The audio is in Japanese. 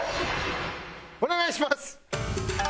お願いします。